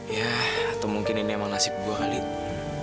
ya atau mungkin ini emang nasib dua kali itu